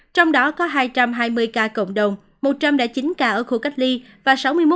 trong đó có hai trăm hai mươi ca cộng đồng một trăm linh chín ca ở khu cách ly và sáu mươi một ca ở khu phong tỏa